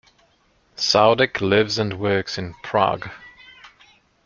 Saudek lives and works in Prague.